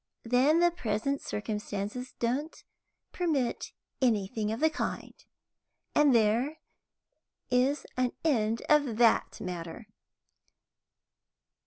Then the present circumstances don't permit anything of the kind, and there's an end of that matter.